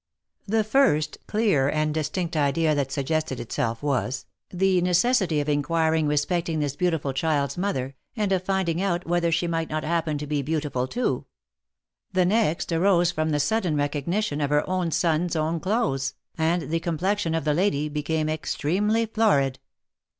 The first clear and distinct idea that suggested itself was, the necessity of inquiring respecting this beautiful child's mother, and of finding out whether she might not happen to be beautiful too ; the next arose from the sudden recognition of her own son's own clothes, and the complexion of the lady became extremely florid."